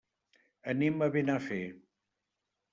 Anem a Benafer.